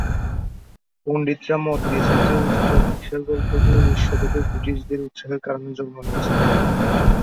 পণ্ডিতরা মত দিয়েছেন যে উস্তাদ ঈসার গল্পটি ঊনিশ শতকে ব্রিটিশদের উৎসাহের কারণে জন্ম নিয়েছিল।